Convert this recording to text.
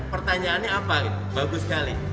pertanyaannya apa bagus sekali